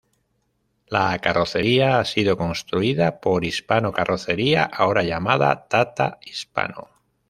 La carrocería ha sido construida por Hispano Carrocería, ahora llamada Tata Hispano.